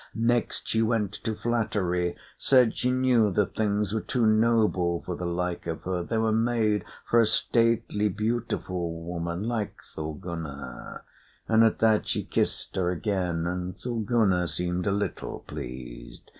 Next she went to flattery, said she knew the things were too noble for the like of her they were made for a stately, beautiful woman like Thorgunna; and at that she kissed her again, and Thorgunna seemed a little pleased.